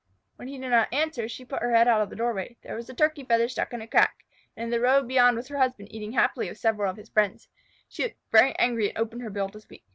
When he did not answer, she put her head out of the doorway. There was the Turkey feather stuck into a crack, and in the road beyond was her husband eating happily with several of his friends. She looked very angry and opened her bill to speak.